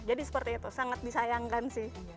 jadi seperti itu sangat disayangkan sih